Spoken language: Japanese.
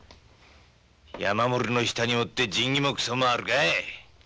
山守の下におって仁義もクソもあるかい。